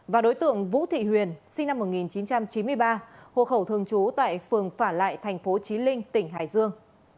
và đối tượng vũ thị huyền sinh năm một nghìn chín trăm chín mươi ba hộ khẩu thường trú tại phường phả lại thành phố trí linh tỉnh hải dương